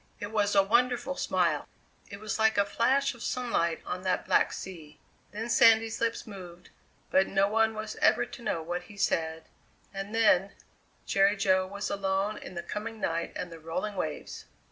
It was a wonderful smile: it was like a flash of sunlight on that black sea; then Sandy's lips moved, but no one was ever to know what he said, and then Jerry Jo was alone in the coming night and the rolling waves!